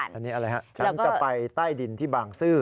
อันนี้อะไรฮะฉันจะไปใต้ดินที่บางซื่อ